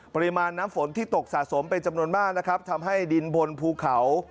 ปริมาณน้ำฝนที่ตกสะสมเป็นจำนวนมากนะครับทำให้ดินบนภูเขา